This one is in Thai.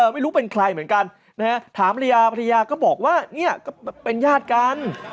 ไม่รู้เป็นใครเหมือนกันนะฮะถามภรรยาภรรยาก็บอกว่าเนี่ยก็เป็นญาติกัน